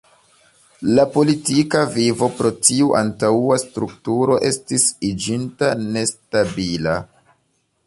La politika vivo pro tiu antaŭa strukturo estis iĝinta nestabila.